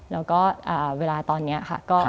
แล้วก็เวลาตอนนี้ค่ะ